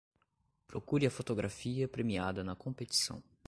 Procure a fotografia premiada na competição